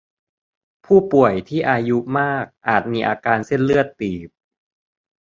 ผู้ป่วยที่อายุมากอาจมีอาการเส้นเลือดตีบ